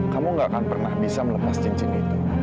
kamu gak akan pernah bisa melepas cincin itu